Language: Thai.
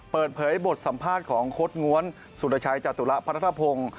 เปิดเผยบทสัมภาษณ์ของโค้ดง้วนสุรชัยจตุระพัทธพงศ์